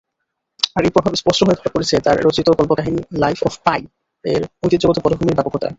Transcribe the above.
আর এই প্রভাব স্পষ্ট হয়ে ধরা পড়েছে তার রচিত কল্প-কাহিনী "লাইফ অফ পাই" এর ঐতিহ্যগত পটভূমির ব্যাপকতায়।